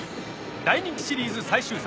大人気シリーズ最終作。